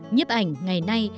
nhếp ảnh ngày nay